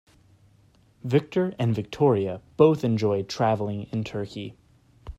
Victor and Victoria both enjoy traveling in Turkey.